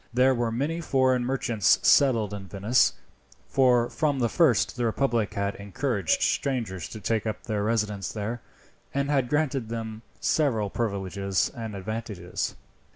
There were many foreign merchants settled in Venice, for from the first the republic had encouraged strangers to take up their residence there, and had granted them several privileges and advantages.